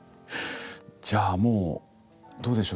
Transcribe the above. じゃあもうどうでしょう。